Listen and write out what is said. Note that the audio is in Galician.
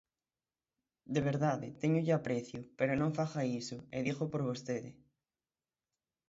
De verdade, téñolle aprecio, pero non faga iso, e dígoo por vostede.